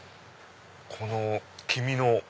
この黄身の。